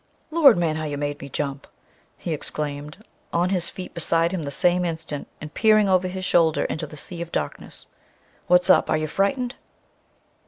"Lord, man! How you made me jump!" he exclaimed, on his feet beside him the same instant, and peering over his shoulder into the sea of darkness. "What's up? Are you frightened